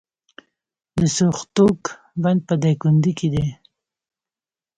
د سوختوک بند په دایکنډي کې دی